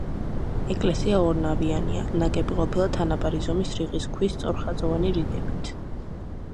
ეკლესია ორნავიანია, ნაგები ყოფილა თანაბარი ზომის რიყის ქვის სწორხაზოვანი რიგებით.